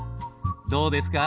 どうですか？